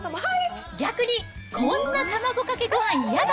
逆に、こんな卵かけごはん嫌だ！